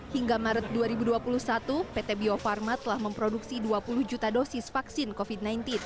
hingga maret dua ribu dua puluh satu pt bio farma telah memproduksi dua puluh juta dosis vaksin covid sembilan belas